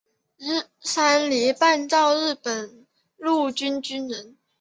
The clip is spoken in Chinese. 山梨半造日本陆军军人。